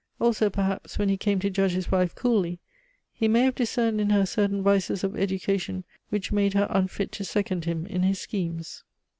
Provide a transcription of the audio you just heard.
Also, perhaps, when he came to judge his wife coolly, he may have discerned in her certain vices of education which made her unfit to second him in his schemes.